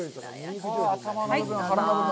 頭の部分、腹の部分。